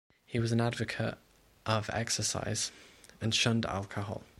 He was an advocate of exercise and shunned alcohol.